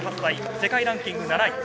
世界ランキング７位。